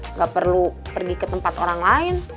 nggak perlu pergi ke tempat orang lain